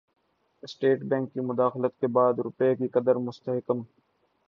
state bank کی مداخلت کے بعد روپے کی قدر مستحکم